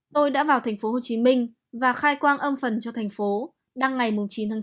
tôi đã vào tp hcm và khai quang âm phần cho tp hcm